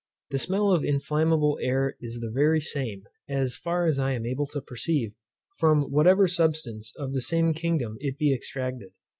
The smell of inflammable air is the very same, as far as I am able to perceive, from whatever substance of the same kingdom it be extracted.